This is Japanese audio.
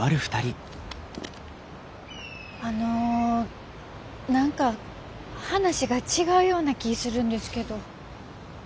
あの何か話が違うような気ぃするんですけど。